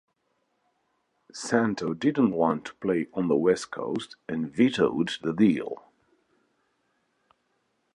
Santo didn't want to play on the West Coast and vetoed the deal.